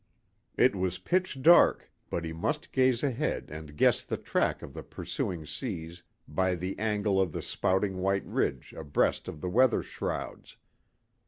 It was pitch dark, but he must gaze ahead and guess the track of the pursuing seas by the angle of the spouting white ridge abreast of the weather shrouds.